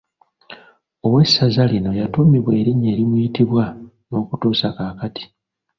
Ow’essaza lino yatuumibwa erinnya erimuyitibwa n’okutuusa kati.